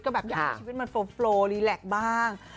ก็แบบอยากให้ชีวิตมันโปรรีแล็กบ้าง